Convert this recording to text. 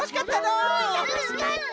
うんたのしかった！